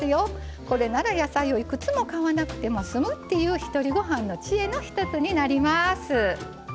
これなら野菜をいくつも買わなくても済むっていうひとりごはんの知恵の一つになります。